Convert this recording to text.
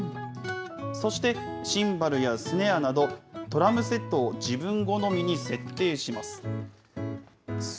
そしてシンバルやスネアなど、ドラムセットを自分好みに設定します。